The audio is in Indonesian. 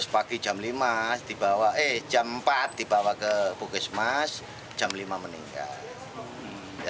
pagi jam empat dibawa ke puskesmas jam lima meninggal